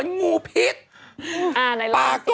งูจะ